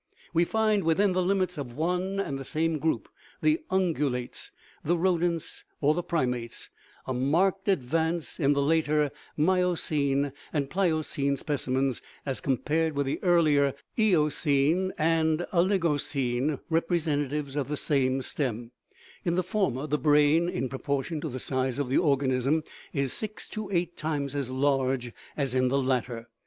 We find, within the limits of one and the same group (the ungulates, the rodents, or the primates), a marked advance in the later miocene and pliocene specimens as compared with the earlier eocene and oligocene representatives of the same stem; in the former the brain (in proportion to the size of the organism) is six to eight times as large as in the latter.